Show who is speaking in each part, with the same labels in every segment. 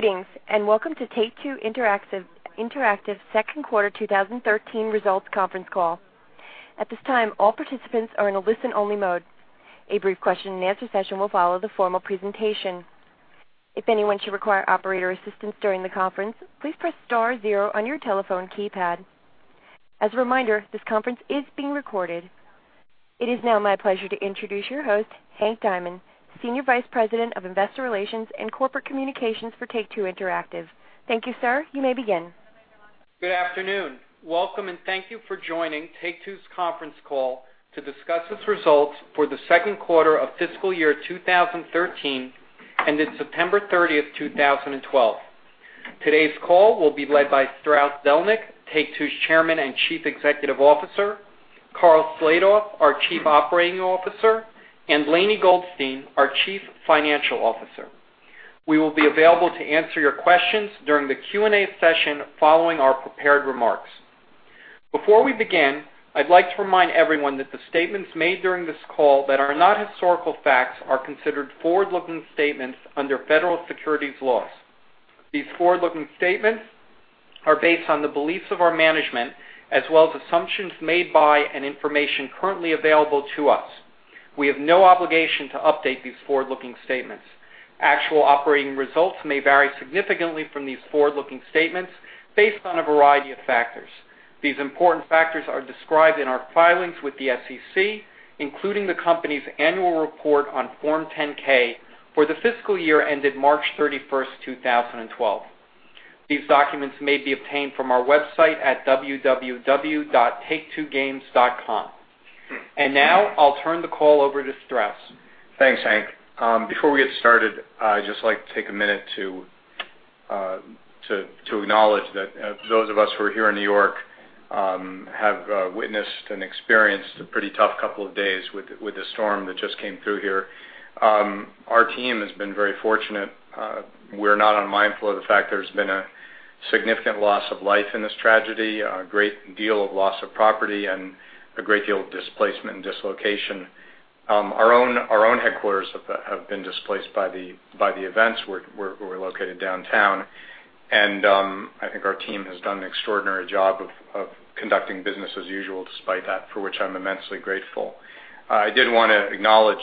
Speaker 1: Greetings. Welcome to Take-Two Interactive's second quarter 2013 results conference call. At this time, all participants are in a listen-only mode. A brief question-and-answer session will follow the formal presentation. If anyone should require operator assistance during the conference, please press star zero on your telephone keypad. As a reminder, this conference is being recorded. It is now my pleasure to introduce your host, Henry Diamond, Senior Vice President of Investor Relations and Corporate Communications for Take-Two Interactive. Thank you, sir. You may begin.
Speaker 2: Good afternoon. Welcome. Thank you for joining Take-Two's conference call to discuss its results for the second quarter of fiscal year 2013, ended September 30, 2012. Today's call will be led by Strauss Zelnick, Take-Two's Chairman and Chief Executive Officer, Karl Slatoff, our Chief Operating Officer, and Lainie Goldstein, our Chief Financial Officer. We will be available to answer your questions during the Q&A session following our prepared remarks. Before we begin, I'd like to remind everyone that the statements made during this call that are not historical facts are considered forward-looking statements under federal securities laws. These forward-looking statements are based on the beliefs of our management as well as assumptions made by and information currently available to us. We have no obligation to update these forward-looking statements. Actual operating results may vary significantly from these forward-looking statements based on a variety of factors. These important factors are described in our filings with the SEC, including the company's annual report on Form 10-K for the fiscal year ended March 31, 2012. These documents may be obtained from our website at www.taketwogames.com. Now I'll turn the call over to Strauss.
Speaker 3: Thanks, Hank. Before we get started, I'd just like to take a minute to acknowledge that those of us who are here in New York have witnessed and experienced a pretty tough couple of days with the storm that just came through here. Our team has been very fortunate. We're not unmindful of the fact there's been a significant loss of life in this tragedy, a great deal of loss of property and a great deal of displacement and dislocation. Our own headquarters have been displaced by the events. We're located downtown. I think our team has done an extraordinary job of conducting business as usual despite that, for which I'm immensely grateful. I did want to acknowledge,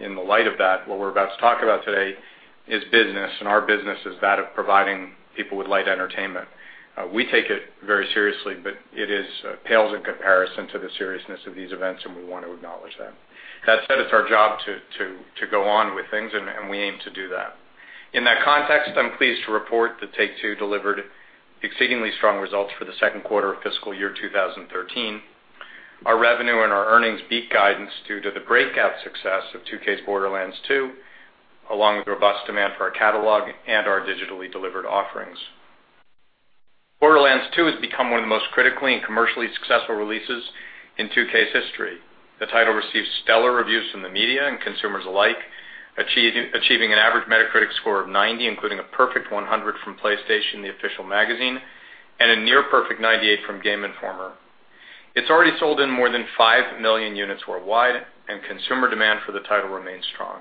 Speaker 3: in the light of that, what we're about to talk about today is business. Our business is that of providing people with light entertainment. We take it very seriously, it pales in comparison to the seriousness of these events, we want to acknowledge them. That said, it's our job to go on with things, we aim to do that. In that context, I'm pleased to report that Take-Two delivered exceedingly strong results for the second quarter of fiscal year 2013. Our revenue and our earnings beat guidance due to the breakout success of 2K's Borderlands 2, along with robust demand for our catalog and our digitally delivered offerings. Borderlands 2 has become one of the most critically and commercially successful releases in 2K's history. The title received stellar reviews from the media and consumers alike, achieving an average Metacritic score of 90, including a perfect 100 from PlayStation, the official magazine, and a near perfect 98 from Game Informer. It's already sold in more than 5 million units worldwide, consumer demand for the title remains strong.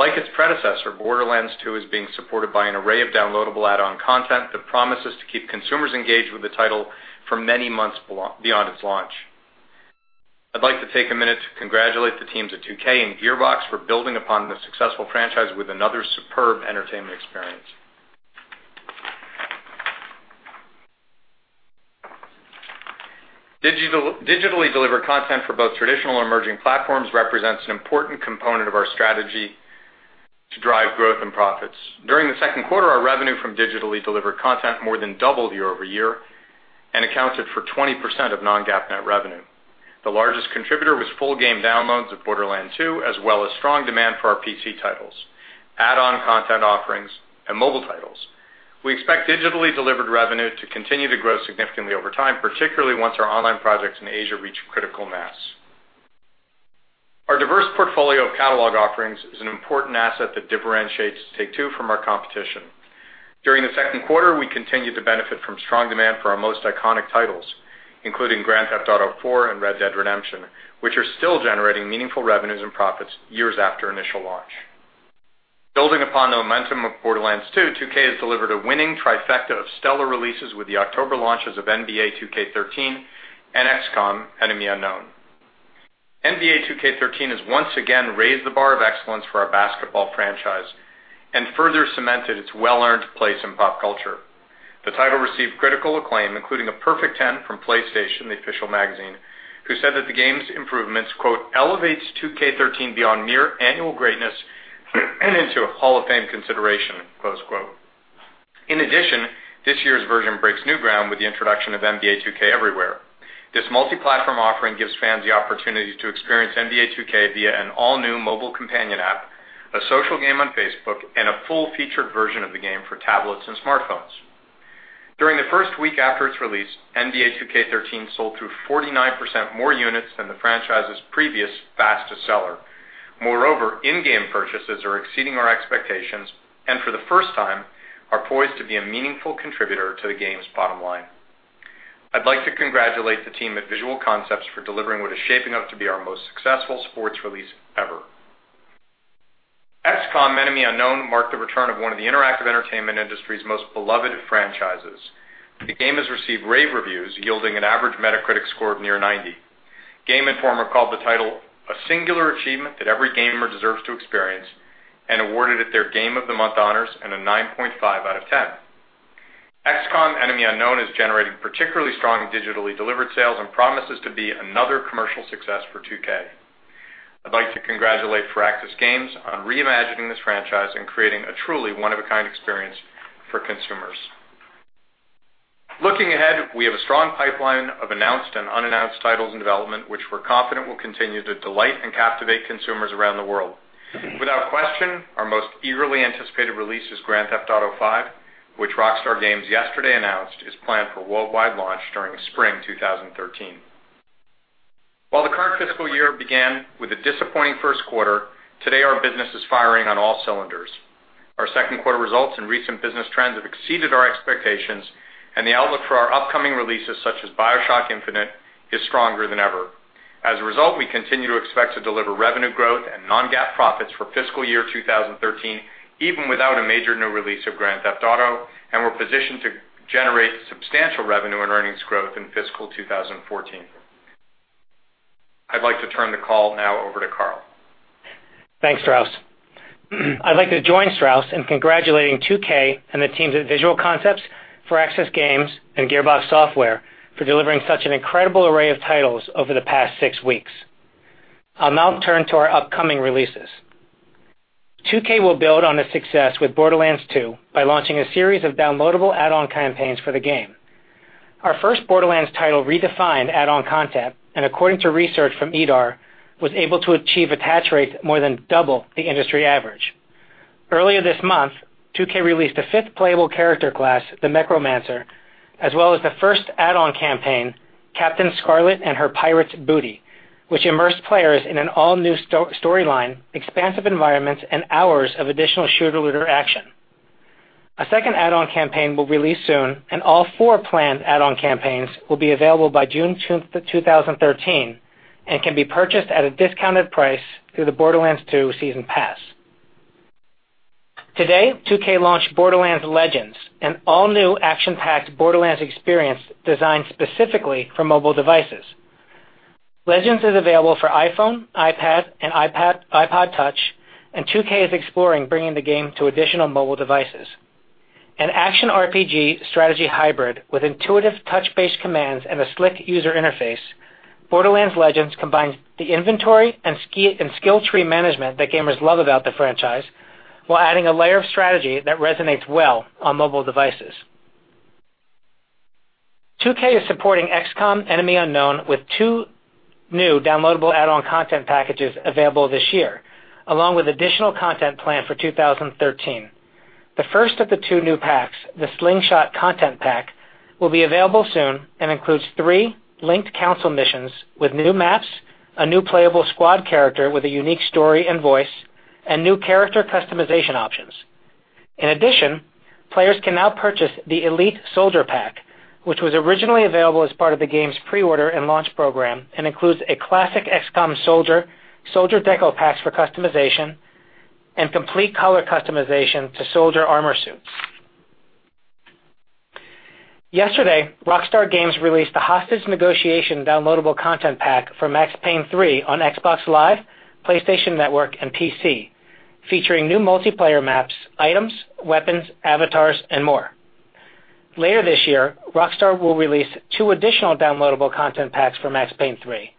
Speaker 3: Like its predecessor, Borderlands 2 is being supported by an array of downloadable add-on content that promises to keep consumers engaged with the title for many months beyond its launch. I'd like to take a minute to congratulate the teams at 2K and Gearbox for building upon the successful franchise with another superb entertainment experience. Digitally delivered content for both traditional and emerging platforms represents an important component of our strategy to drive growth and profits. During the second quarter, our revenue from digitally delivered content more than doubled year-over-year and accounted for 20% of non-GAAP net revenue. The largest contributor was full game downloads of Borderlands 2, as well as strong demand for our PC titles, add-on content offerings, and mobile titles. We expect digitally delivered revenue to continue to grow significantly over time, particularly once our online projects in Asia reach critical mass. Our diverse portfolio of catalog offerings is an important asset that differentiates Take-Two from our competition. During the second quarter, we continued to benefit from strong demand for our most iconic titles, including Grand Theft Auto IV and Red Dead Redemption, which are still generating meaningful revenues and profits years after initial launch. Building upon the momentum of Borderlands 2, 2K has delivered a winning trifecta of stellar releases with the October launches of NBA 2K13 and XCOM: Enemy Unknown. NBA 2K13 has once again raised the bar of excellence for our basketball franchise and further cemented its well-earned place in pop culture. The title received critical acclaim, including a perfect 10 from PlayStation, the official magazine, who said that the game's improvements, "elevates 2K13 beyond mere annual greatness and into Hall of Fame consideration." In addition, this year's version breaks new ground with the introduction of NBA 2K Everywhere. This multi-platform offering gives fans the opportunity to experience NBA 2K via an all-new mobile companion app, a social game on Facebook, and a full-featured version of the game for tablets and smartphones. During the first week after its release, NBA 2K13 sold through 49% more units than the franchise's previous fastest seller. Moreover, in-game purchases are exceeding our expectations and, for the first time, are poised to be a meaningful contributor to the game's bottom line. I'd like to congratulate the team at Visual Concepts for delivering what is shaping up to be our most successful sports release ever. XCOM: Enemy Unknown marked the return of one of the interactive entertainment industry's most beloved franchises. The game has received rave reviews, yielding an average Metacritic score of near 90. Game Informer called the title a singular achievement that every gamer deserves to experience, and awarded it their Game of the Month honors and a 9.5 out of 10. XCOM: Enemy Unknown has generated particularly strong digitally delivered sales and promises to be another commercial success for 2K. I'd like to congratulate Firaxis Games on reimagining this franchise and creating a truly one-of-a-kind experience for consumers. Looking ahead, we have a strong pipeline of announced and unannounced titles in development, which we're confident will continue to delight and captivate consumers around the world. Without question, our most eagerly anticipated release is Grand Theft Auto V, which Rockstar Games yesterday announced is planned for worldwide launch during spring 2013. While the current fiscal year began with a disappointing first quarter, today our business is firing on all cylinders. Our second quarter results and recent business trends have exceeded our expectations, the outlook for our upcoming releases, such as BioShock Infinite, is stronger than ever. As a result, we continue to expect to deliver revenue growth and non-GAAP profits for fiscal year 2013, even without a major new release of Grand Theft Auto, we're positioned to generate substantial revenue and earnings growth in fiscal 2014. I'd like to turn the call now over to Karl.
Speaker 4: Thanks, Strauss. I'd like to join Strauss in congratulating 2K and the teams at Visual Concepts, Firaxis Games, and Gearbox Software for delivering such an incredible array of titles over the past six weeks. I'll now turn to our upcoming releases. 2K will build on the success with Borderlands 2 by launching a series of downloadable add-on campaigns for the game. Our first Borderlands title redefined add-on content, according to research from EEDAR, was able to achieve attach rates more than double the industry average. Earlier this month, 2K released a fifth playable character class, the Mechromancer, as well as the first add-on campaign, Captain Scarlett and Her Pirate's Booty, which immersed players in an all-new storyline, expansive environments, and hours of additional shooter-looter action. A second add-on campaign will release soon, all four planned add-on campaigns will be available by June 2nd, 2013, can be purchased at a discounted price through the Borderlands 2 Season Pass. Today, 2K launched Borderlands Legends, an all-new action-packed Borderlands experience designed specifically for mobile devices. Legends is available for iPhone, iPad, and iPod Touch, 2K is exploring bringing the game to additional mobile devices. An action RPG strategy hybrid with intuitive touch-based commands and a slick user interface, Borderlands Legends combines the inventory and skill tree management that gamers love about the franchise while adding a layer of strategy that resonates well on mobile devices. 2K is supporting XCOM: Enemy Unknown with two new downloadable add-on content packages available this year, along with additional content planned for 2013. The first of the two new packs, the Slingshot Content Pack, will be available soon and includes three linked council missions with new maps, a new playable squad character with a unique story and voice, and new character customization options. In addition, players can now purchase the Elite Soldier Pack, which was originally available as part of the game's pre-order and launch program and includes a classic XCOM soldier deco packs for customization, and complete color customization to soldier armor suits. Yesterday, Rockstar Games released the Hostage Negotiation Pack for Max Payne 3 on Xbox Live, PlayStation Network, and PC, featuring new multiplayer maps, items, weapons, avatars, and more. Later this year, Rockstar will release two additional downloadable content packs for Max Payne 3.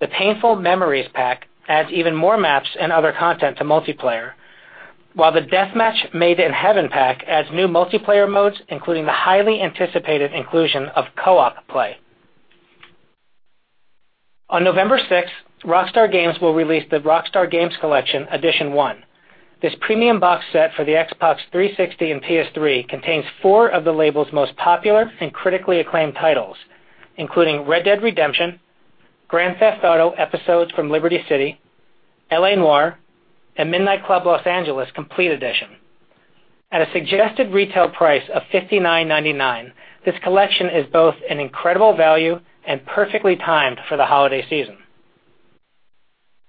Speaker 4: The Painful Memories Pack adds even more maps and other content to multiplayer, while the Deathmatch Made in Heaven Pack adds new multiplayer modes, including the highly anticipated inclusion of co-op play. On November 6th, Rockstar Games will release the Rockstar Games Collection: Edition 1. This premium box set for the Xbox 360 and PS3 contains four of the label's most popular and critically acclaimed titles, including Red Dead Redemption, Grand Theft Auto: Episodes from Liberty City, L.A. Noire, and Midnight Club: Los Angeles Complete Edition. At a suggested retail price of $59.99, this collection is both an incredible value and perfectly timed for the holiday season.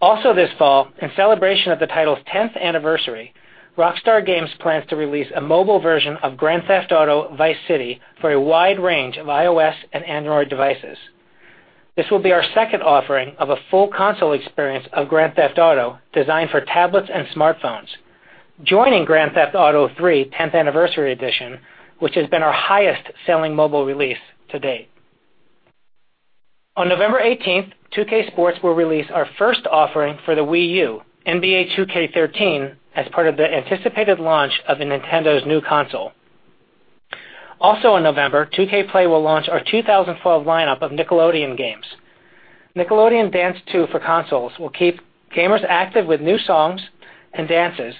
Speaker 4: Also this fall, in celebration of the title's 10th anniversary, Rockstar Games plans to release a mobile version of Grand Theft Auto: Vice City for a wide range of iOS and Android devices. This will be our second offering of a full console experience of Grand Theft Auto designed for tablets and smartphones. Joining Grand Theft Auto III: 10th Anniversary Edition, which has been our highest-selling mobile release to date. On November 18th, 2K Sports will release our first offering for the Wii U, NBA 2K13, as part of the anticipated launch of Nintendo's new console. Also in November, 2K Play will launch our 2012 lineup of Nickelodeon games. Nickelodeon Dance 2 for consoles will keep gamers active with new songs and dances,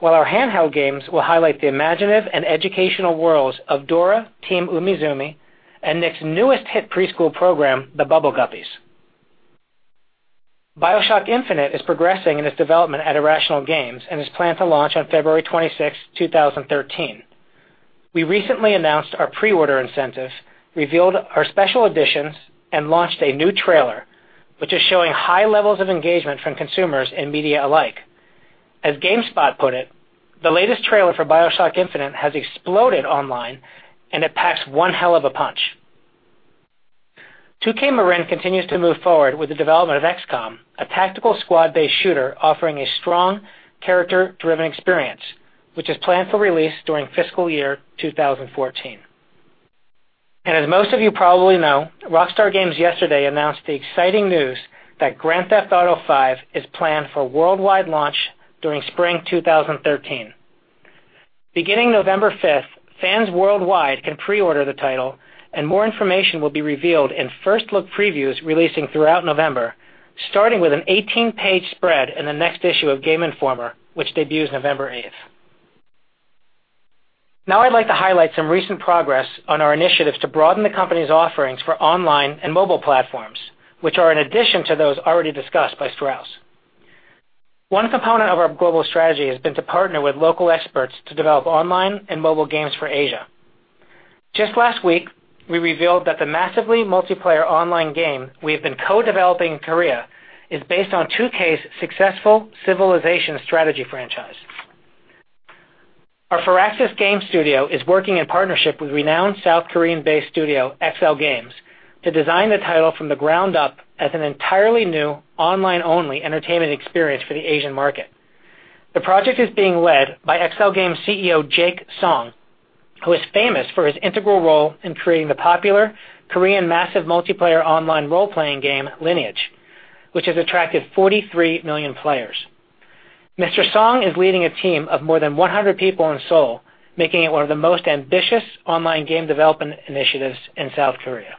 Speaker 4: while our handheld games will highlight the imaginative and educational worlds of Dora, Team Umizoomi, and Nick's newest hit preschool program, the Bubble Guppies. BioShock Infinite is progressing in its development at Irrational Games and is planned to launch on February 26, 2013. We recently announced our pre-order incentives, revealed our special editions, and launched a new trailer, which is showing high levels of engagement from consumers and media alike. As GameSpot put it, the latest trailer for BioShock Infinite has exploded online, and it packs one hell of a punch. 2K Marin continues to move forward with the development of XCOM, a tactical squad-based shooter offering a strong character-driven experience, which is planned for release during fiscal year 2014. As most of you probably know, Rockstar Games yesterday announced the exciting news that Grand Theft Auto V is planned for worldwide launch during spring 2013. Beginning November 5th, fans worldwide can pre-order the title, and more information will be revealed in first-look previews releasing throughout November, starting with an 18-page spread in the next issue of Game Informer, which debuts November 8th. Now I'd like to highlight some recent progress on our initiatives to broaden the company's offerings for online and mobile platforms, which are in addition to those already discussed by Strauss. One component of our global strategy has been to partner with local experts to develop online and mobile games for Asia. Just last week, we revealed that the massively multiplayer online game we have been co-developing in Korea is based on 2K's successful "Civilization" strategy franchise. Our Firaxis Games studio is working in partnership with renowned South Korean-based studio XLGAMES to design the title from the ground up as an entirely new online-only entertainment experience for the Asian market. The project is being led by XLGAMES CEO Jake Song, who is famous for his integral role in creating the popular Korean massive multiplayer online role-playing game, "Lineage," which has attracted 43 million players. Mr. Song is leading a team of more than 100 people in Seoul, making it one of the most ambitious online game development initiatives in South Korea.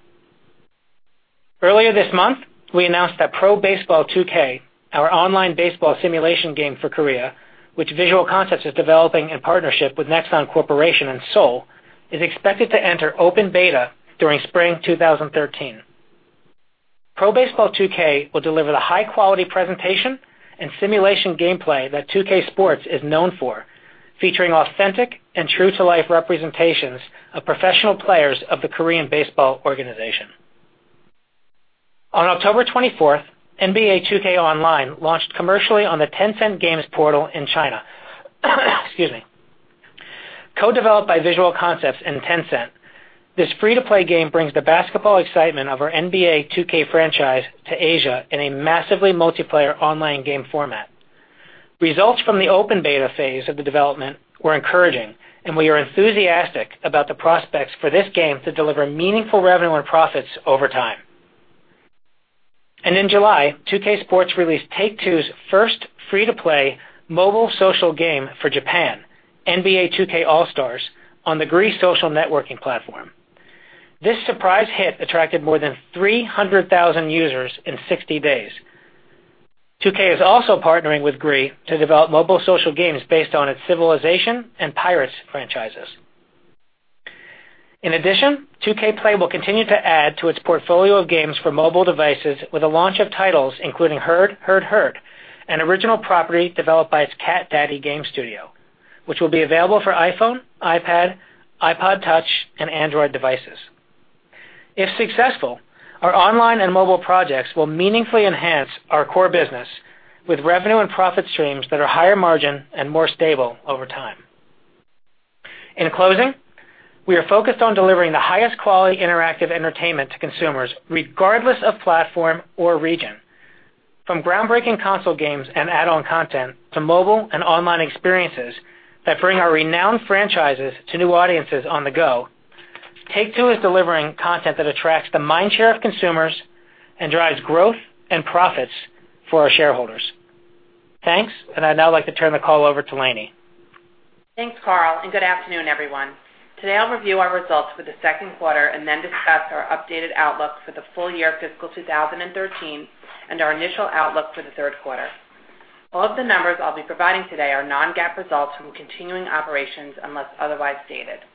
Speaker 4: Earlier this month, we announced that "Pro Baseball 2K," our online baseball simulation game for Korea, which Visual Concepts is developing in partnership with Nexon Corporation in Seoul, is expected to enter open beta during spring 2013. "Pro Baseball 2K" will deliver the high-quality presentation and simulation gameplay that 2K Sports is known for, featuring authentic and true-to-life representations of professional players of the Korea Baseball Organization. On October 24th, "NBA 2K Online" launched commercially on the Tencent Games portal in China. Excuse me. Co-developed by Visual Concepts and Tencent, this free-to-play game brings the basketball excitement of our NBA 2K franchise to Asia in a massively multiplayer online game format. Results from the open beta phase of the development were encouraging, and we are enthusiastic about the prospects for this game to deliver meaningful revenue and profits over time. In July, 2K Sports released Take-Two's first free-to-play mobile social game for Japan, "NBA 2K All-Stars," on the GREE social networking platform. This surprise hit attracted more than 300,000 users in 60 days. 2K is also partnering with GREE to develop mobile social games based on its "Civilization" and "Pirates" franchises. In addition, 2K Play will continue to add to its portfolio of games for mobile devices with the launch of titles including "Herd, Herd," an original property developed by its Cat Daddy Games studio, which will be available for iPhone, iPad, iPod Touch, and Android devices. If successful, our online and mobile projects will meaningfully enhance our core business with revenue and profit streams that are higher margin and more stable over time. In closing, we are focused on delivering the highest quality interactive entertainment to consumers, regardless of platform or region. From groundbreaking console games and add-on content to mobile and online experiences that bring our renowned franchises to new audiences on the go, Take-Two is delivering content that attracts the mind share of consumers and drives growth and profits for our shareholders. Thanks, and I'd now like to turn the call over to Lainie.
Speaker 5: Thanks, Karl, and good afternoon, everyone. Today, I'll review our results for the second quarter and then discuss our updated outlook for the full year fiscal 2013 and our initial outlook for the third quarter. All of the numbers I'll be providing today are non-GAAP results from continuing operations unless otherwise stated.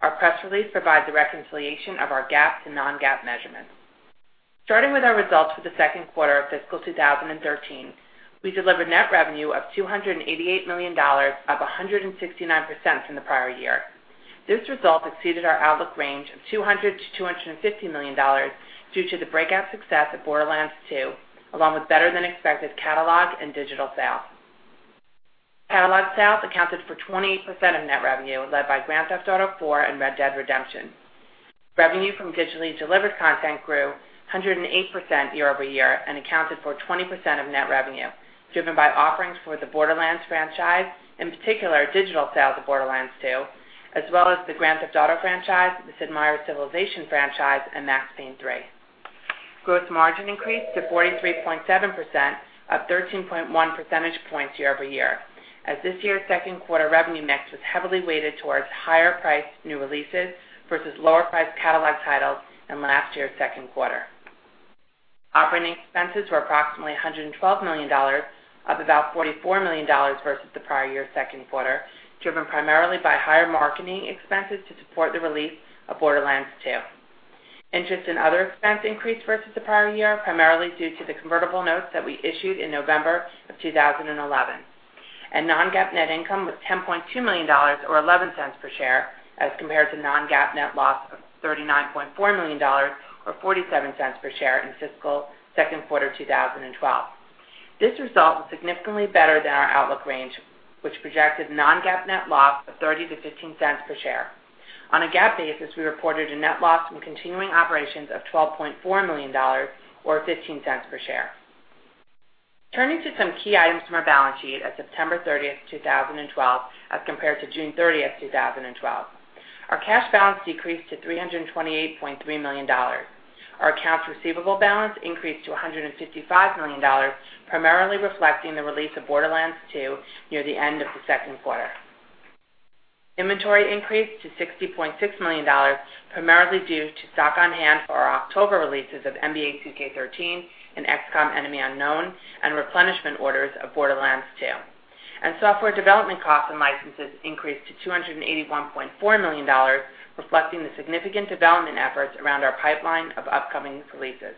Speaker 5: Our press release provides a reconciliation of our GAAP to non-GAAP measurements. Starting with our results for the second quarter of fiscal 2013, we delivered net revenue of $288 million, up 169% from the prior year. This result exceeded our outlook range of $200 million-$250 million due to the breakout success of Borderlands 2, along with better-than-expected catalog and digital sales. Catalog sales accounted for 28% of net revenue, led by Grand Theft Auto IV and Red Dead Redemption. Revenue from digitally delivered content grew 108% year-over-year and accounted for 20% of net revenue, driven by offerings for the Borderlands franchise, in particular digital sales of Borderlands 2, as well as the Grand Theft Auto franchise, the Sid Meier Civilization franchise, and Max Payne 3. Gross margin increased to 43.7%, up 13.1 percentage points year-over-year, as this year's second quarter revenue mix was heavily weighted towards higher-priced new releases versus lower-priced catalog titles in last year's second quarter. Operating expenses were approximately $112 million, up about $44 million versus the prior year's second quarter, driven primarily by higher marketing expenses to support the release of Borderlands 2. Interest and other expense increased versus the prior year, primarily due to the convertible notes that we issued in November 2011. Non-GAAP net income was $10.2 million or $0.11 per share as compared to non-GAAP net loss of $39.4 million or $0.47 per share in fiscal second quarter 2012. This result was significantly better than our outlook range, which projected non-GAAP net loss of $0.30-$0.15 per share. On a GAAP basis, we reported a net loss from continuing operations of $12.4 million or $0.15 per share. Turning to some key items from our balance sheet as of September 30, 2012, as compared to June 30, 2012. Our cash balance decreased to $328.3 million. Our accounts receivable balance increased to $155 million, primarily reflecting the release of Borderlands 2 near the end of the second quarter. Inventory increased to $60.6 million, primarily due to stock on hand for our October releases of NBA 2K13 and XCOM: Enemy Unknown, and replenishment orders of Borderlands 2. Software development costs and licenses increased to $281.4 million, reflecting the significant development efforts around our pipeline of upcoming releases.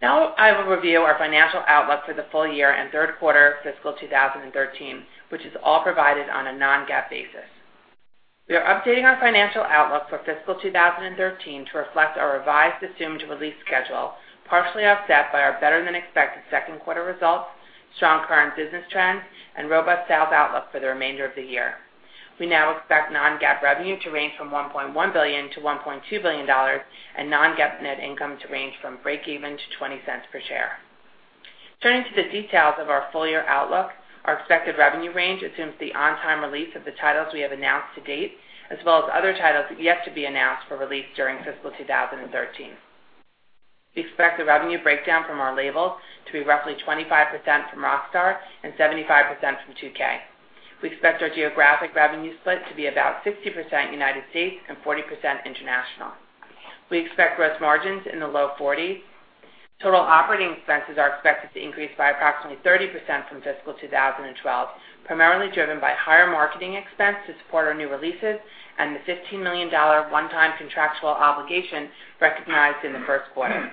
Speaker 5: Now I will review our financial outlook for the full year and third quarter fiscal 2013, which is all provided on a non-GAAP basis. We are updating our financial outlook for fiscal 2013 to reflect our revised assumed release schedule, partially offset by our better-than-expected second quarter results, strong current business trends, and robust sales outlook for the remainder of the year. We now expect non-GAAP revenue to range from $1.1 billion-$1.2 billion and non-GAAP net income to range from breakeven to $0.20 per share. Turning to the details of our full-year outlook, our expected revenue range assumes the on-time release of the titles we have announced to date, as well as other titles yet to be announced for release during fiscal 2013. We expect the revenue breakdown from our labels to be roughly 25% from Rockstar and 75% from 2K. We expect our geographic revenue split to be about 60% United States and 40% international. We expect gross margins in the low 40s. Total operating expenses are expected to increase by approximately 30% from fiscal 2012, primarily driven by higher marketing expense to support our new releases and the $15 million one-time contractual obligation recognized in the first quarter.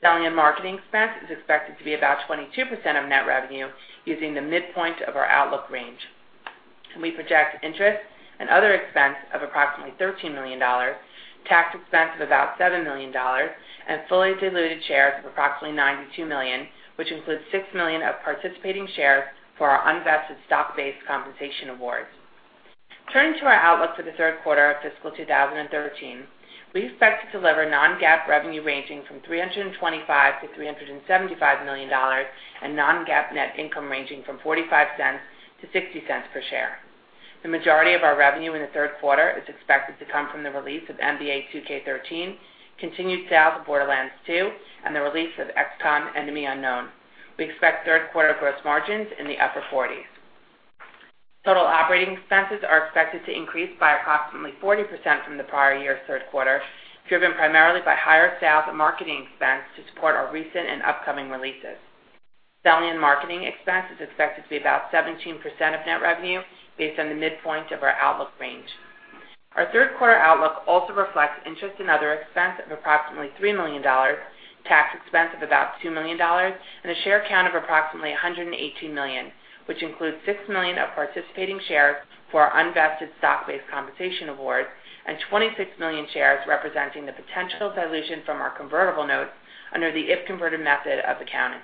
Speaker 5: Selling and marketing expense is expected to be about 22% of net revenue using the midpoint of our outlook range. We project interest and other expense of approximately $13 million, tax expense of about $7 million, and fully diluted shares of approximately 92 million, which includes 6 million of participating shares for our unvested stock-based compensation awards. Turning to our outlook for the third quarter of fiscal 2013, we expect to deliver non-GAAP revenue ranging from $325 million-$375 million and non-GAAP net income ranging from $0.45-$0.60 per share. The majority of our revenue in the third quarter is expected to come from the release of "NBA 2K13," continued sales of "Borderlands 2," and the release of "XCOM: Enemy Unknown." We expect third quarter gross margins in the upper 40s. Total operating expenses are expected to increase by approximately 40% from the prior year third quarter, driven primarily by higher sales and marketing expense to support our recent and upcoming releases. Selling and marketing expense is expected to be about 17% of net revenue based on the midpoint of our outlook range. Our third quarter outlook also reflects interest in other expense of approximately $3 million, tax expense of about $2 million, and a share count of approximately 118 million, which includes 6 million of participating shares for our unvested stock-based compensation awards and 26 million shares representing the potential dilution from our convertible notes under the if-converted method of accounting.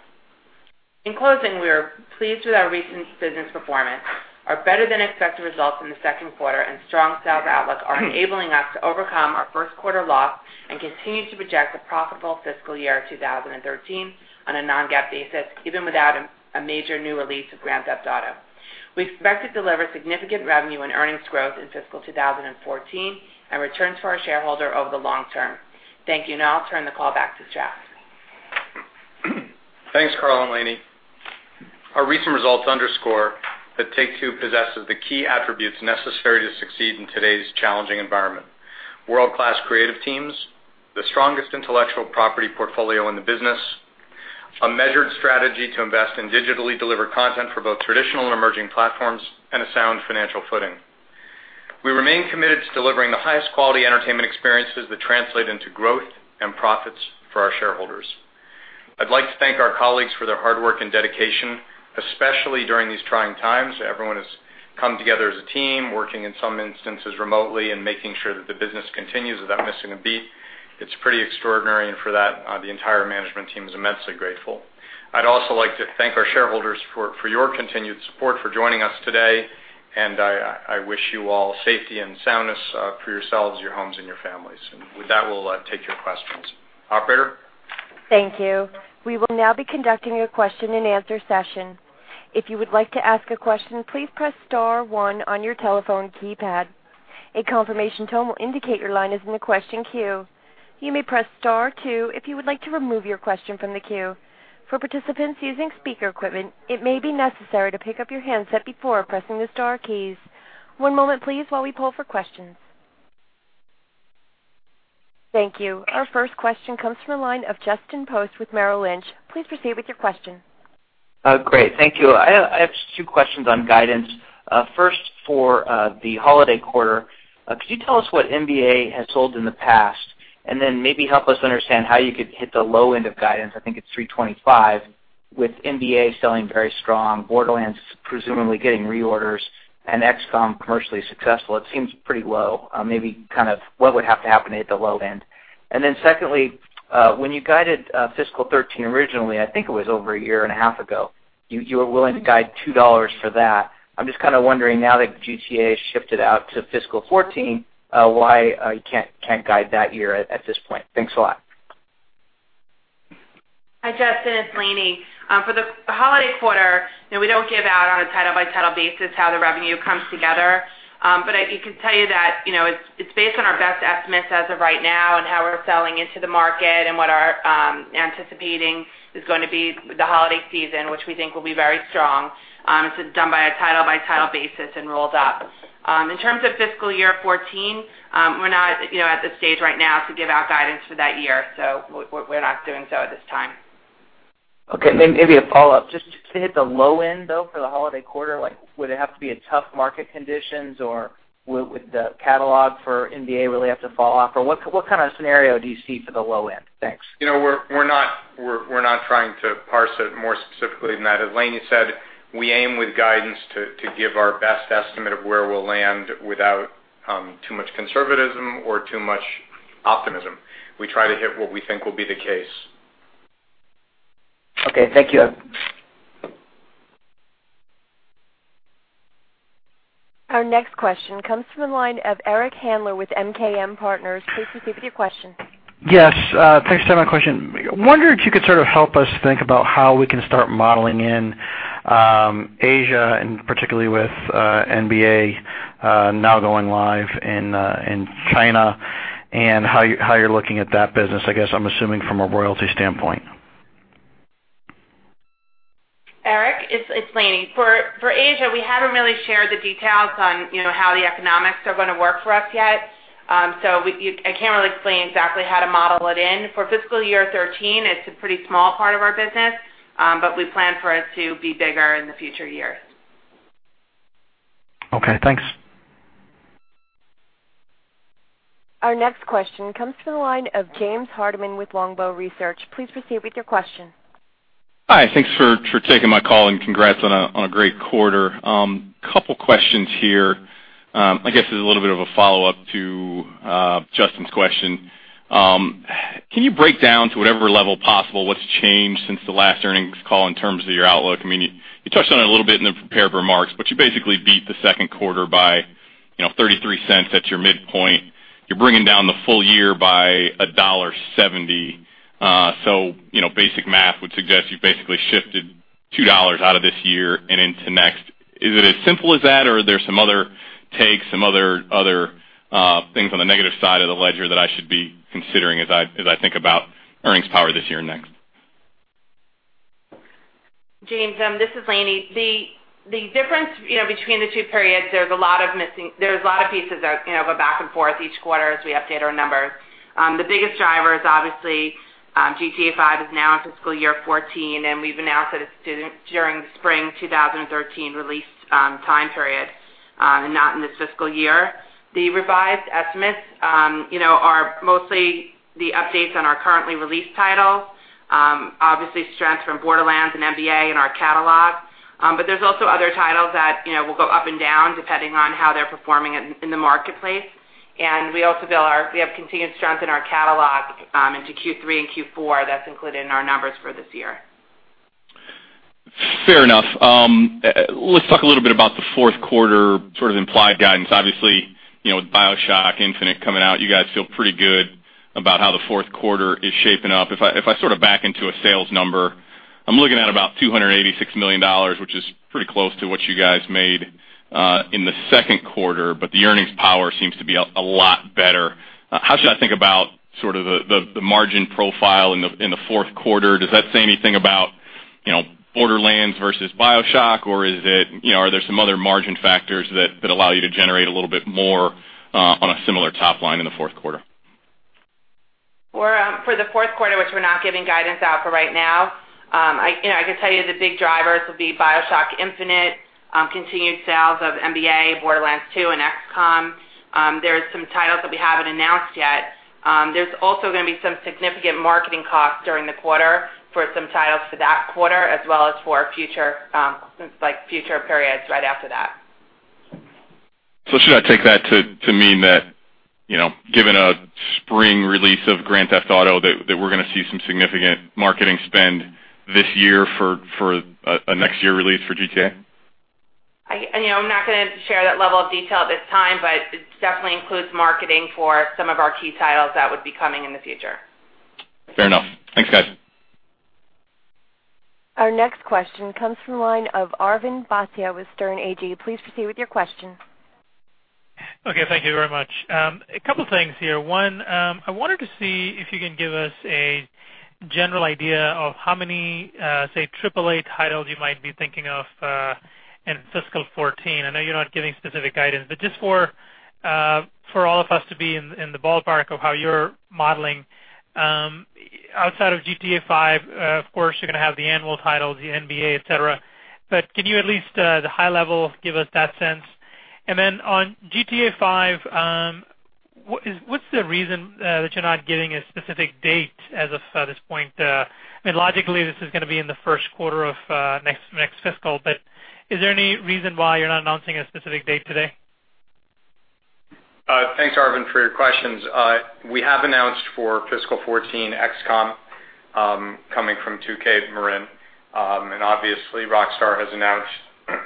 Speaker 5: In closing, we are pleased with our recent business performance. Our better-than-expected results in the second quarter and strong sales outlook are enabling us to overcome our first quarter loss and continue to project a profitable fiscal year 2013 on a non-GAAP basis, even without a major new release of "Grand Theft Auto." We expect to deliver significant revenue and earnings growth in fiscal 2014 and returns to our shareholder over the long term. Thank you. Now I'll turn the call back to Strauss.
Speaker 3: Thanks, Karl and Lainie. Our recent results underscore that Take-Two possesses the key attributes necessary to succeed in today's challenging environment: world-class creative teams, the strongest intellectual property portfolio in the business, a measured strategy to invest in digitally delivered content for both traditional and emerging platforms, and a sound financial footing. We remain committed to delivering the highest quality entertainment experiences that translate into growth and profits for our shareholders. I'd like to thank our colleagues for their hard work and dedication, especially during these trying times. Everyone has come together as a team, working in some instances remotely and making sure that the business continues without missing a beat. It's pretty extraordinary, for that, the entire management team is immensely grateful. I'd also like to thank our shareholders for your continued support, for joining us today, I wish you all safety and soundness for yourselves, your homes, and your families. With that, we'll take your questions. Operator?
Speaker 1: Thank you. We will now be conducting a question-and-answer session. If you would like to ask a question, please press star one on your telephone keypad. A confirmation tone will indicate your line is in the question queue. You may press star two if you would like to remove your question from the queue. For participants using speaker equipment, it may be necessary to pick up your handset before pressing the star keys. One moment please while we poll for questions. Thank you. Our first question comes from the line of Justin Post with Merrill Lynch. Please proceed with your question.
Speaker 6: Great. Thank you. I have two questions on guidance. First, for the holiday quarter, could you tell us what NBA has sold in the past? Then maybe help us understand how you could hit the low end of guidance, I think it's $325 million, with NBA selling very strong, Borderlands presumably getting reorders, and XCOM commercially successful. It seems pretty low. Maybe what would have to happen to hit the low end? Then secondly, when you guided fiscal 2013 originally, I think it was over a year and a half ago, you were willing to guide $2 for that. I'm just kind of wondering now that GTA has shifted out to fiscal 2014, why you can't guide that year at this point. Thanks a lot.
Speaker 5: Hi, Justin, it's Lainie. For the holiday quarter, we don't give out on a title-by-title basis how the revenue comes together. I can tell you that it's based on our best estimates as of right now and how we're selling into the market and what our anticipating is going to be the holiday season, which we think will be very strong. It's done by a title-by-title basis and rolled up. In terms of fiscal year 2014, we're not at the stage right now to give out guidance for that year, so we're not doing so at this time.
Speaker 6: Okay, maybe a follow-up. Just to hit the low end, though, for the holiday quarter, would it have to be a tough market conditions, or would the catalog for NBA really have to fall off, or what kind of scenario do you see for the low end? Thanks.
Speaker 3: We're not trying to parse it more specifically than that. As Lainie said, we aim with guidance to give our best estimate of where we'll land without too much conservatism or too much optimism. We try to hit what we think will be the case.
Speaker 6: Okay, thank you.
Speaker 1: Our next question comes from the line of Eric Handler with MKM Partners. Please proceed with your question.
Speaker 7: Yes. Thanks for taking my question. Wondering if you could sort of help us think about how we can start modeling in Asia, and particularly with NBA now going live in China, and how you're looking at that business, I guess, I'm assuming from a royalty standpoint.
Speaker 5: Eric, it's Lainie. For Asia, we haven't really shared the details on how the economics are going to work for us yet. I can't really explain exactly how to model it in. For fiscal year 13, it's a pretty small part of our business, but we plan for it to be bigger in the future years.
Speaker 7: Okay, thanks.
Speaker 1: Our next question comes from the line of James Heaney with Longbow Research. Please proceed with your question.
Speaker 8: Hi, thanks for taking my call, and congrats on a great quarter. Couple questions here. I guess as a little bit of a follow-up to Justin's question. Can you break down to whatever level possible what's changed since the last earnings call in terms of your outlook? You touched on it a little bit in the prepared remarks, but you basically beat the second quarter by $0.33 at your midpoint. You're bringing down the full year by $1.70. Basic math would suggest you've basically shifted $2 out of this year and into next. Is it as simple as that, or are there some other takes, some other things on the negative side of the ledger that I should be considering as I think about earnings power this year and next?
Speaker 5: James, this is Lainie. The difference between the two periods, there's a lot of pieces that go back and forth each quarter as we update our numbers. The biggest driver is obviously GTA V is now in fiscal year 2014, and we've announced that it's due during the spring 2013 release time period and not in this fiscal year. The revised estimates are mostly the updates on our currently released titles. Obviously, strength from Borderlands and NBA in our catalog. There's also other titles that will go up and down depending on how they're performing in the marketplace. We also have continued strength in our catalog into Q3 and Q4 that's included in our numbers for this year.
Speaker 8: Fair enough. Let's talk a little bit about the fourth quarter sort of implied guidance. Obviously, with BioShock Infinite coming out, you guys feel pretty good about how the fourth quarter is shaping up. If I sort of back into a sales number, I'm looking at about $286 million, which is pretty close to what you guys made in the second quarter, but the earnings power seems to be a lot better. How should I think about sort of the margin profile in the fourth quarter? Does that say anything about Borderlands versus BioShock, or are there some other margin factors that allow you to generate a little bit more on a similar top line in the fourth quarter?
Speaker 5: For the fourth quarter, which we're not giving guidance out for right now, I can tell you the big drivers will be BioShock Infinite, continued sales of NBA, Borderlands 2, and XCOM. There's some titles that we haven't announced yet. There's also going to be some significant marketing costs during the quarter for some titles for that quarter as well as for future periods right after that.
Speaker 8: Should I take that to mean that given a spring release of Grand Theft Auto, that we're going to see some significant marketing spend this year for a next year release for GTA?
Speaker 5: I'm not going to share that level of detail at this time, it definitely includes marketing for some of our key titles that would be coming in the future.
Speaker 8: Fair enough. Thanks, guys.
Speaker 1: Our next question comes from the line of Arvind Bhatia with Sterne Agee. Please proceed with your question.
Speaker 9: Okay, thank you very much. A couple things here. One, I wanted to see if you can give us a general idea of how many, say, AAA titles you might be thinking of in fiscal 2014. I know you're not giving specific guidance, but just for all of us to be in the ballpark of how you're modeling outside of "GTA V," of course, you're going to have the annual titles, the NBA, et cetera. Can you at least, the high level, give us that sense? On "GTA V," what's the reason that you're not giving a specific date as of this point? Logically, this is going to be in the first quarter of next fiscal, but is there any reason why you're not announcing a specific date today?
Speaker 3: Thanks, Arvind, for your questions. We have announced for fiscal 2014, "XCOM" coming from 2K Marin. Obviously, Rockstar has announced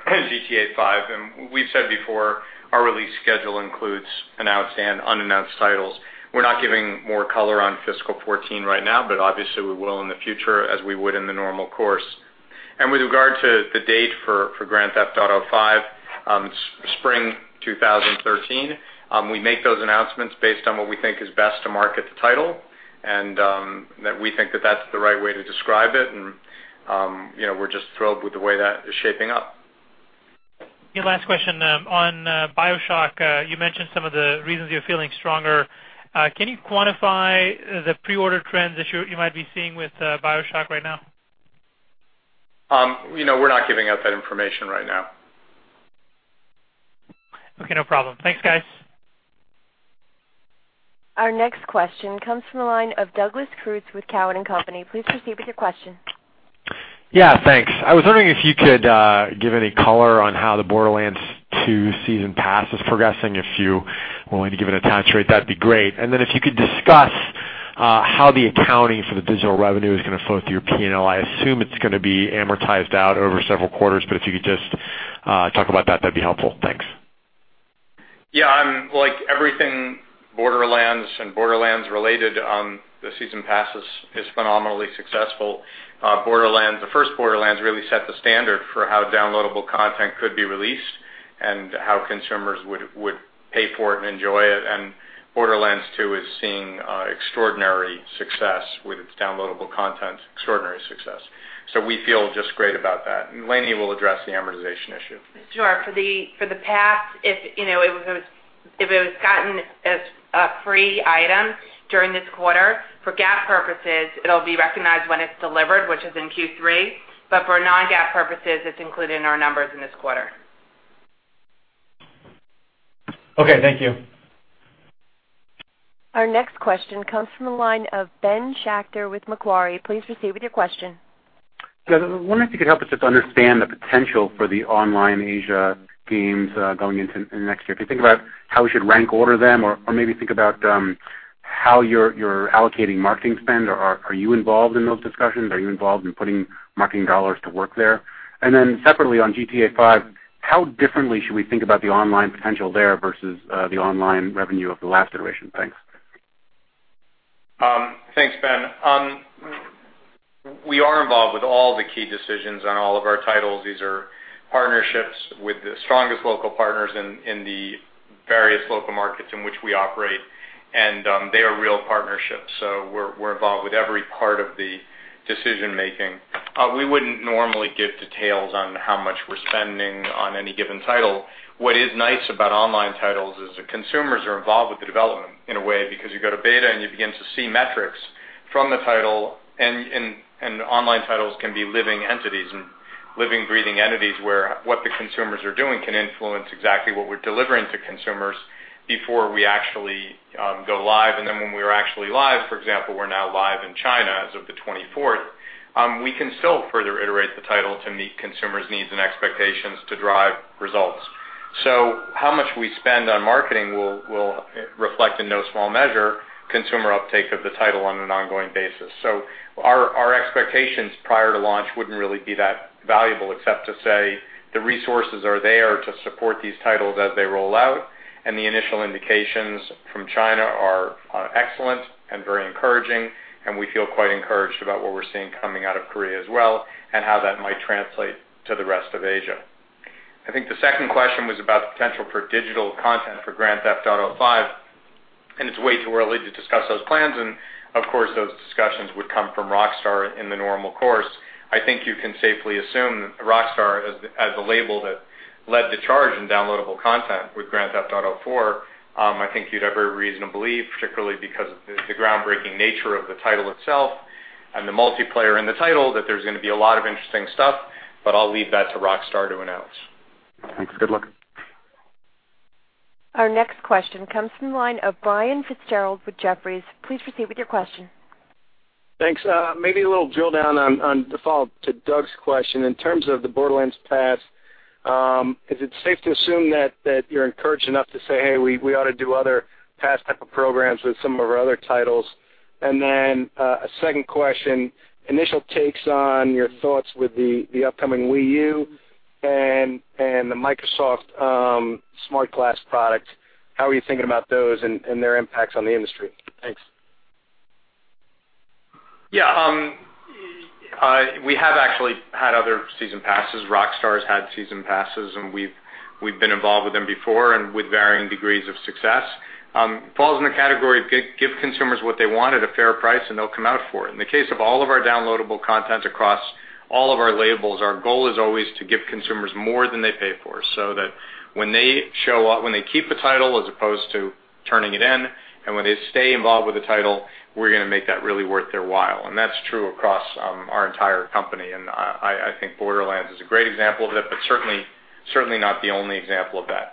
Speaker 3: "GTA V," and we've said before our release schedule includes announced and unannounced titles. We're not giving more color on fiscal 2014 right now, but obviously we will in the future as we would in the normal course. With regard to the date for "Grand Theft Auto V," spring 2013, we make those announcements based on what we think is best to market the title, and that we think that that's the right way to describe it. We're just thrilled with the way that is shaping up.
Speaker 9: Yeah, last question. On "BioShock," you mentioned some of the reasons you're feeling stronger. Can you quantify the pre-order trends that you might be seeing with "BioShock" right now?
Speaker 3: We're not giving out that information right now.
Speaker 9: Okay, no problem. Thanks, guys.
Speaker 1: Our next question comes from the line of Doug Creutz with Cowen and Company. Please proceed with your question.
Speaker 10: Yeah, thanks. I was wondering if you could give any color on how the Borderlands 2 season pass is progressing. If you were willing to give it a attach rate, that'd be great. Then if you could discuss how the accounting for the digital revenue is going to flow through your P&L. I assume it's going to be amortized out over several quarters, but if you could just talk about that'd be helpful. Thanks.
Speaker 3: Like everything Borderlands and Borderlands related, the season pass is phenomenally successful. The first Borderlands really set the standard for how downloadable content could be released and how consumers would pay for it and enjoy it. Borderlands 2 is seeing extraordinary success with its downloadable content. Extraordinary success. We feel just great about that. Lainie will address the amortization issue.
Speaker 5: Sure. For the pass, if it was gotten as a free item during this quarter, for GAAP purposes, it'll be recognized when it's delivered, which is in Q3, for non-GAAP purposes, it's included in our numbers in this quarter.
Speaker 10: Okay, thank you.
Speaker 1: Our next question comes from the line of Ben Schachter with Macquarie. Please proceed with your question.
Speaker 11: Yeah. I wonder if you could help us just understand the potential for the online Asia games going into next year. If you think about how we should rank order them or maybe think about how you're allocating marketing spend, or are you involved in those discussions? Are you involved in putting marketing dollars to work there? Separately on "GTA V," how differently should we think about the online potential there versus the online revenue of the last iteration? Thanks.
Speaker 3: Thanks, Ben. We are involved with all the key decisions on all of our titles. These are partnerships with the strongest local partners in the various local markets in which we operate, they are real partnerships, so we're involved with every part of the decision making. We wouldn't normally give details on how much we're spending on any given title. What is nice about online titles is that consumers are involved with the development in a way, because you go to beta and you begin to see metrics from the title, online titles can be living entities and living, breathing entities, where what the consumers are doing can influence exactly what we're delivering to consumers before we actually go live. When we are actually live, for example, we're now live in China as of the 24th, we can still further iterate the title to meet consumers' needs and expectations to drive results. How much we spend on marketing will reflect, in no small measure, consumer uptake of the title on an ongoing basis. Our expectations prior to launch wouldn't really be that valuable, except to say the resources are there to support these titles as they roll out. The initial indications from China are excellent and very encouraging, and we feel quite encouraged about what we're seeing coming out of Korea as well, and how that might translate to the rest of Asia. I think the second question was about the potential for digital content for "Grand Theft Auto V," it's way too early to discuss those plans. Of course, those discussions would come from Rockstar in the normal course. I think you can safely assume that Rockstar, as a label that led the charge in downloadable content with "Grand Theft Auto IV," I think you'd have every reason to believe, particularly because of the groundbreaking nature of the title itself and the multiplayer in the title, that there's going to be a lot of interesting stuff. I'll leave that to Rockstar to announce.
Speaker 11: Thanks. Good luck.
Speaker 1: Our next question comes from the line of Brian Fitzgerald with Jefferies. Please proceed with your question.
Speaker 12: Thanks. Maybe a little drill down on, default to Doug's question. In terms of the Borderlands pass, is it safe to assume that you're encouraged enough to say, "Hey, we ought to do other pass type of programs with some of our other titles"? Then a second question, initial takes on your thoughts with the upcoming Wii U and the Microsoft SmartGlass product. How are you thinking about those and their impacts on the industry? Thanks.
Speaker 3: Yeah. We have actually had other season passes. Rockstar's had season passes, and we've been involved with them before and with varying degrees of success. Falls in the category of give consumers what they want at a fair price, and they'll come out for it. In the case of all of our downloadable content across all of our labels, our goal is always to give consumers more than they pay for, so that when they keep a title as opposed to turning it in, and when they stay involved with the title, we're going to make that really worth their while. That's true across our entire company, and I think Borderlands is a great example of it, but certainly not the only example of that.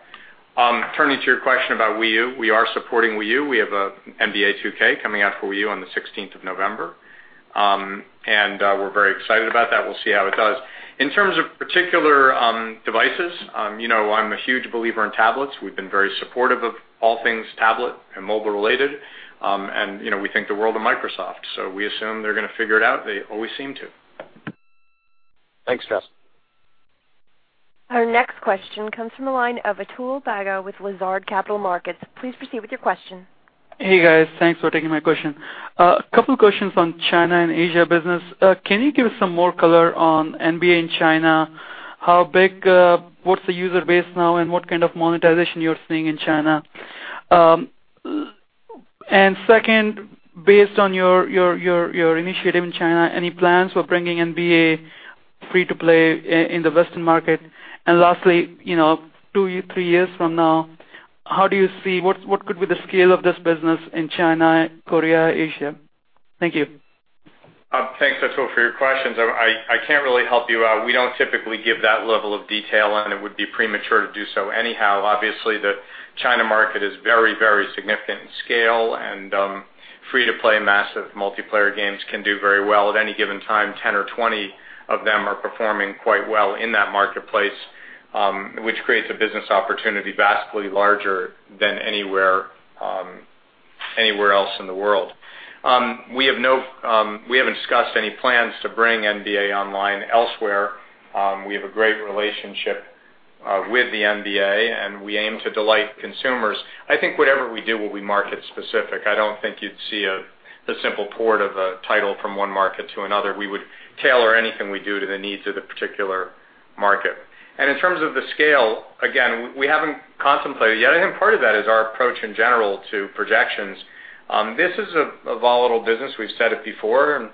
Speaker 3: Turning to your question about Wii U, we are supporting Wii U. We have NBA 2K coming out for Wii U on the 16th of November. We're very excited about that. We'll see how it does. In terms of particular devices, I'm a huge believer in tablets. We've been very supportive of all things tablet and mobile related. We think the world of Microsoft, so we assume they're going to figure it out. They always seem to.
Speaker 12: Thanks, Strauss.
Speaker 1: Our next question comes from the line of Atul Bagga with Lazard Capital Markets. Please proceed with your question.
Speaker 13: Hey, guys. Thanks for taking my question. A couple questions on China and Asia business. Can you give us some more color on NBA in China? What's the user base now, and what kind of monetization you're seeing in China? Second, based on your initiative in China, any plans for bringing NBA free to play in the Western market? Lastly, two, three years from now, what could be the scale of this business in China, Korea, Asia? Thank you.
Speaker 3: Thanks, Atul, for your questions. I can't really help you out. We don't typically give that level of detail, and it would be premature to do so anyhow. Obviously, the China market is very significant in scale, and free to play massive multiplayer games can do very well. At any given time, 10 or 20 of them are performing quite well in that marketplace, which creates a business opportunity vastly larger than anywhere else in the world. We haven't discussed any plans to bring NBA online elsewhere. We have a great relationship with the NBA, and we aim to delight consumers. I think whatever we do will be market specific. I don't think you'd see the simple port of a title from one market to another. We would tailor anything we do to the needs of the particular market. In terms of the scale, again, we haven't contemplated it yet. I think part of that is our approach in general to projections. This is a volatile business. We've said it before.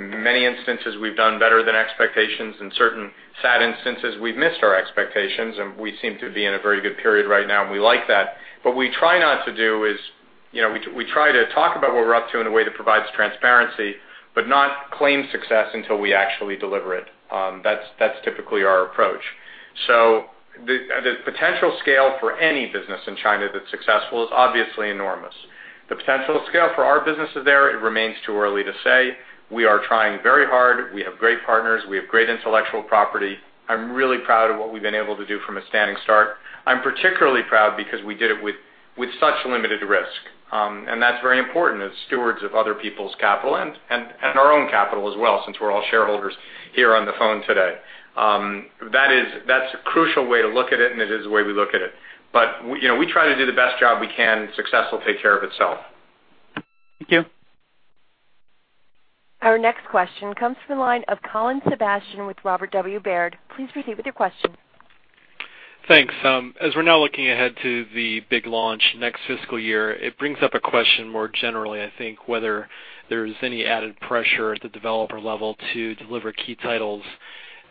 Speaker 3: In many instances, we've done better than expectations. In certain sad instances, we've missed our expectations, and we seem to be in a very good period right now, and we like that. What we try not to do is we try to talk about what we're up to in a way that provides transparency, but not claim success until we actually deliver it. That's typically our approach. The potential scale for any business in China that's successful is obviously enormous. The potential scale for our businesses there, it remains too early to say. We are trying very hard. We have great partners. We have great intellectual property. I'm really proud of what we've been able to do from a standing start. I'm particularly proud because we did it with such limited risk. That's very important as stewards of other people's capital and our own capital as well, since we're all shareholders here on the phone today. That's a crucial way to look at it, and it is the way we look at it. We try to do the best job we can. Success will take care of itself.
Speaker 13: Thank you.
Speaker 1: Our next question comes from the line of Colin Sebastian with Robert W. Baird. Please proceed with your question.
Speaker 14: Thanks. As we're now looking ahead to the big launch next fiscal year, it brings up a question more generally, I think, whether there's any added pressure at the developer level to deliver key titles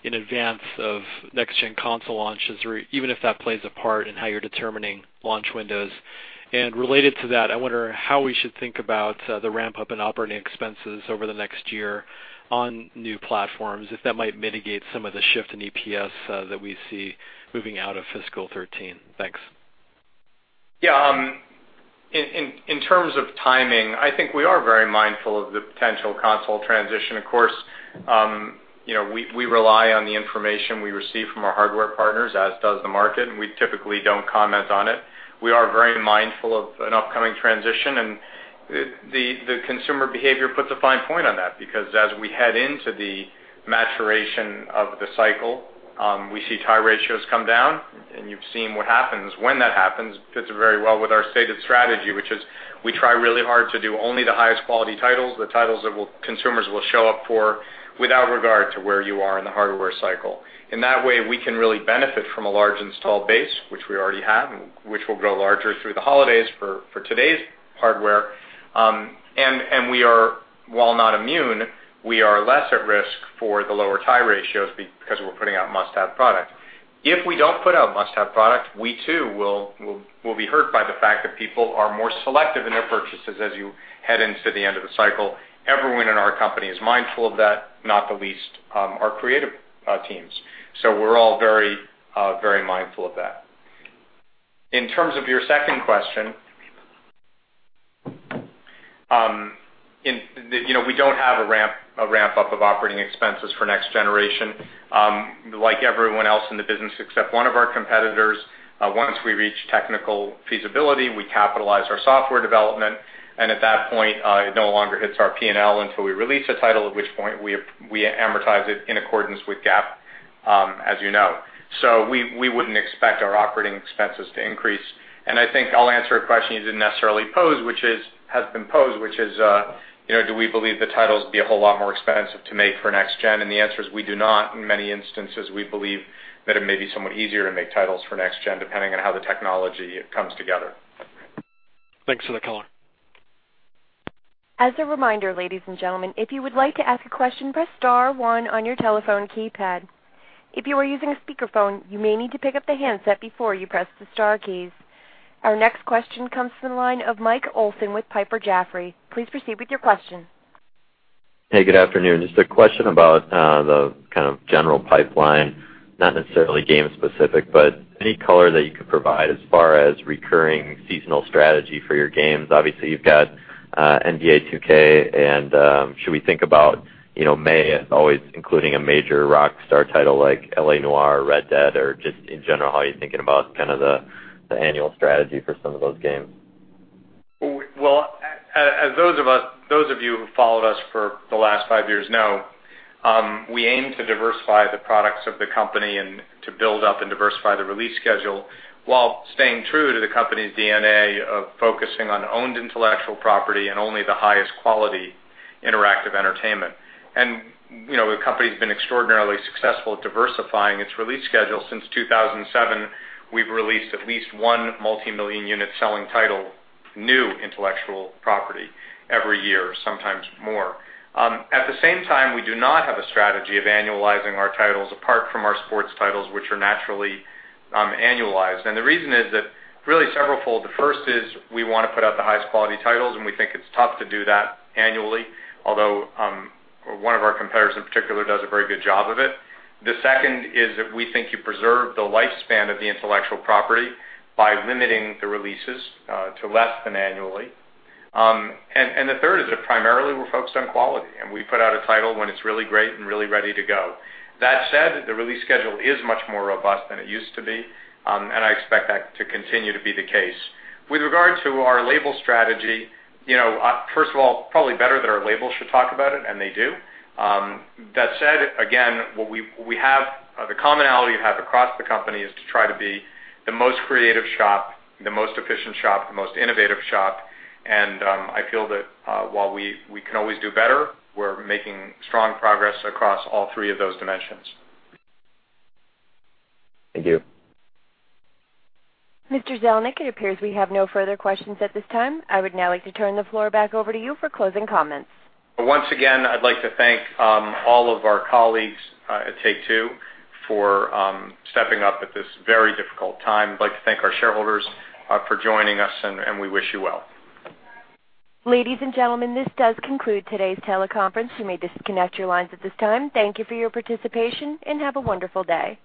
Speaker 14: in advance of next-gen console launches or even if that plays a part in how you're determining launch windows. Related to that, I wonder how we should think about the ramp-up in operating expenses over the next year on new platforms, if that might mitigate some of the shift in EPS that we see moving out of fiscal 2013. Thanks.
Speaker 3: Yeah. In terms of timing, I think we are very mindful of the potential console transition. Of course, we rely on the information we receive from our hardware partners, as does the market, and we typically don't comment on it. We are very mindful of an upcoming transition, and the consumer behavior puts a fine point on that because as we head into the maturation of the cycle, we see tie ratios come down, and you've seen what happens when that happens. Fits very well with our stated strategy, which is we try really hard to do only the highest quality titles, the titles that consumers will show up for without regard to where you are in the hardware cycle. In that way, we can really benefit from a large install base, which we already have, and which will grow larger through the holidays for today's hardware. While not immune, we are less at risk for the lower tie ratios because we're putting out must-have product. If we don't put out must-have product, we too will be hurt by the fact that people are more selective in their purchases as you head into the end of the cycle. Everyone in our company is mindful of that, not the least our creative teams. We're all very mindful of that. In terms of your second question, we don't have a ramp-up of operating expenses for next generation. Like everyone else in the business except one of our competitors, once we reach technical feasibility, we capitalize our software development, and at that point, it no longer hits our P&L until we release a title, at which point we amortize it in accordance with GAAP, as you know. We wouldn't expect our operating expenses to increase. I think I'll answer a question you didn't necessarily pose, which has been posed, which is do we believe the titles be a whole lot more expensive to make for next-gen? The answer is we do not. In many instances, we believe that it may be somewhat easier to make titles for next-gen, depending on how the technology comes together.
Speaker 14: Thanks for the color.
Speaker 1: As a reminder, ladies and gentlemen, if you would like to ask a question, press star one on your telephone keypad. If you are using a speakerphone, you may need to pick up the handset before you press the star keys. Our next question comes from the line of Mike Olson with Piper Jaffray. Please proceed with your question.
Speaker 15: Hey, good afternoon. Just a question about the kind of general pipeline, not necessarily game specific, but any color that you could provide as far as recurring seasonal strategy for your games. Obviously, you've got NBA 2K, and should we think about May as always including a major Rockstar title like L.A. Noire, Red Dead, or just in general, how are you thinking about kind of the annual strategy for some of those games?
Speaker 3: Well, as those of you who followed us for the last five years know, we aim to diversify the products of the company and to build up and diversify the release schedule while staying true to the company's DNA of focusing on owned intellectual property and only the highest quality interactive entertainment. The company's been extraordinarily successful at diversifying its release schedule since 2007. We've released at least one multimillion-unit selling title, new intellectual property every year, sometimes more. At the same time, we do not have a strategy of annualizing our titles apart from our sports titles, which are naturally annualized. The reason is that really several fold. The first is we want to put out the highest quality titles, and we think it's tough to do that annually, although, one of our competitors in particular does a very good job of it. The second is that we think you preserve the lifespan of the intellectual property by limiting the releases to less than annually. The third is that primarily we're focused on quality, and we put out a title when it's really great and really ready to go. That said, the release schedule is much more robust than it used to be, and I expect that to continue to be the case. With regard to our label strategy, first of all, probably better that our labels should talk about it, and they do. That said, again, the commonality we have across the company is to try to be the most creative shop, the most efficient shop, the most innovative shop, and I feel that while we can always do better, we're making strong progress across all three of those dimensions.
Speaker 15: Thank you.
Speaker 1: Mr. Zelnick, it appears we have no further questions at this time. I would now like to turn the floor back over to you for closing comments.
Speaker 3: Once again, I'd like to thank all of our colleagues at Take-Two for stepping up at this very difficult time. I'd like to thank our shareholders for joining us, and we wish you well.
Speaker 1: Ladies and gentlemen, this does conclude today's teleconference. You may disconnect your lines at this time. Thank you for your participation, and have a wonderful day.